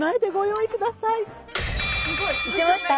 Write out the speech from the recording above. いけました？